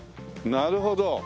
なるほど。